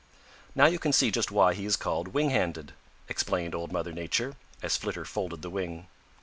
"Now you can see just why he is called winghanded," explained Old Mother Nature, as Flitter folded the wing.